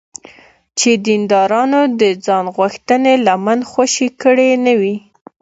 چې دیندارانو د ځانغوښتنې لمن خوشې کړې نه وي.